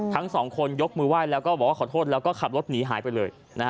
ทั้งสองคนยกมือไหว้แล้วก็บอกว่าขอโทษแล้วก็ขับรถหนีหายไปเลย